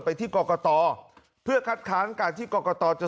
ไปที่กรกตเพื่อคัดค้านการที่กรกตจะ